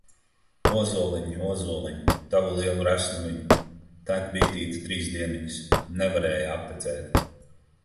Ozoliņ, ozoliņ, Tavu lielu resnumiņu! Tek bitīte trīs dieniņas, Nevarēja aptecēt!